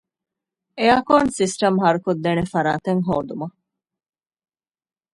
އެއާރކޯން ސިސްޓަމް ހަރުކޮށްދޭނެ ފަރާތެއް ހޯދުމަށް